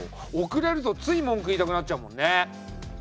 遅れるとつい文句言いたくなっちゃうもんね。